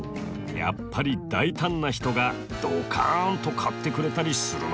やっぱり大胆な人がドカンと買ってくれたりするのかな？